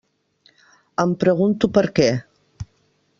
Em pregunto per què.